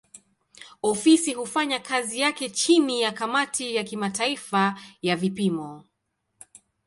Ofisi hufanya kazi yake chini ya kamati ya kimataifa ya vipimo.